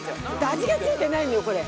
味が付いてないのよこれ。